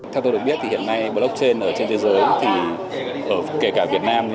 theo tôi được biết hiện nay blockchain ở trên thế giới kể cả việt nam